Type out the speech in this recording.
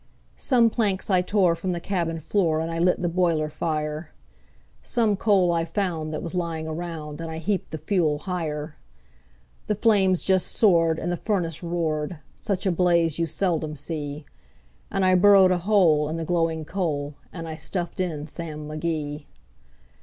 Some planks I tore from the cabin floor, and I lit the boiler fire; Some coal I found that was lying around, and I heaped the fuel higher; The flames just soared, and the furnace roared such a blaze you seldom see; And I burrowed a hole in the glowing coal, and I stuffed in Sam McGee.